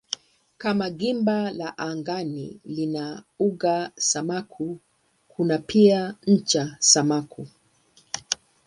Kama gimba la angani lina uga sumaku kuna pia ncha sumaku.